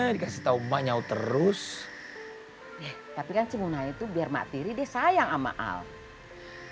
dikasih tahu banyak terus tapi kan cuman itu biar mak diri di sayang ama al al hai